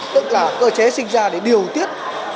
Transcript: tức là cơ chế sinh ra để điều tiết